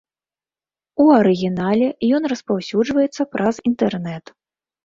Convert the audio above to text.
У арыгінале ён распаўсюджваецца праз інтэрнэт.